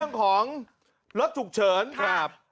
เรื่องของรถฉุกเฉินครับ